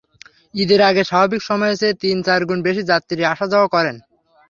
ঈদের আগে স্বাভাবিক সময়ের চেয়ে তিন-চার গুণ বেশি যাত্রী আসা-যাওয়া করেন।